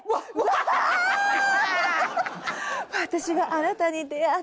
「私があなたに出会って」